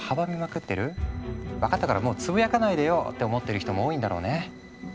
「分かったからもうつぶやかないでよ！」って思ってる人も多いんだろうね。